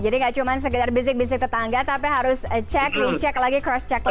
jadi nggak cuma sekedar bisik bisik tetangga tapi harus cek re check lagi cross check lagi